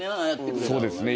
そうですね。